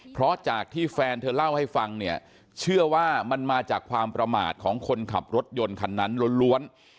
เพราะจากที่แฟนเธอเล่าให้ฟังเนี่ยเชื่อว่ามันมาจากความประมาทของคนขับรถยนต์คันนั้นล้วน